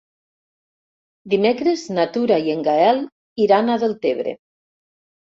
Dimecres na Tura i en Gaël iran a Deltebre.